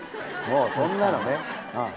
もうそんなのね。